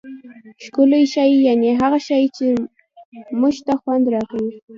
ښکلی شي یعني هغه شي، چي موږ ته خوند راکوي.